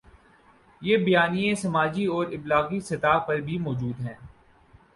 یہ بیانیے سماجی اور ابلاغی سطح پر بھی موجود ہیں۔